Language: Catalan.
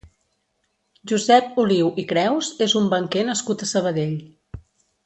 Josep Oliu i Creus és un banquer nascut a Sabadell.